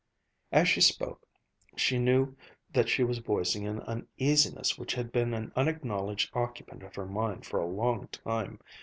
As she spoke, she knew that she was voicing an uneasiness which had been an unacknowledged occupant of her mind for a long time.